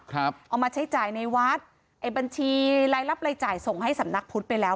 เอามาใช้จ่ายในวัดไอ้บัญชีรายรับรายจ่ายส่งให้สำนักพุทธไปแล้ว